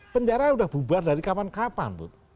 penjara sudah bubar dari kapan kapan